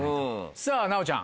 さぁ奈央ちゃん。